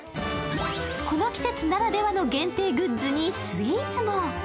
この季節ならではの限定グッズにスイーツも。